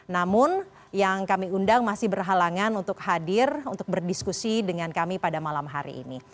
namun yang kami undang masih berhalangan untuk hadir untuk berdiskusi dengan kami pada malam hari ini